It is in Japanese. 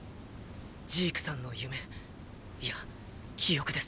ジークさんの夢イヤ記憶です。